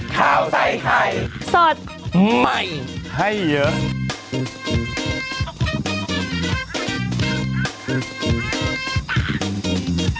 ข้าวใส่ไข่สดใหม่ให้เยอะ